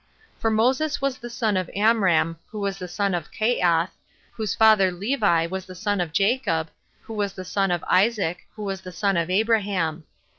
For Moses was the son of Amram, who was the son of Caath, whose father Levi was the son of Jacob, who was the son of Isaac, who was the son of Abraham.